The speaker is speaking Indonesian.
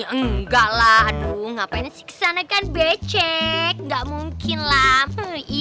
enggak lah aduh ngapain sih kesana kan becek gak mungkin lah